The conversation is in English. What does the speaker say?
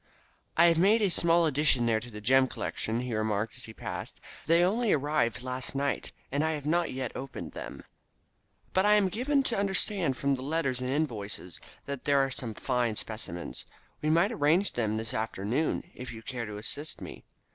"I have a small addition there to the gem collection," he remarked as he passed. "They only arrived last night, and I have not opened them yet, but I am given to understand from the letters and invoices that there are some fine specimens. We might arrange them this afternoon, if you care to assist me.